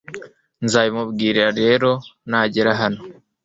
Nzabimubwira rero nagera hano